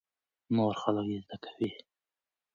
نور خلک يې زده کوي.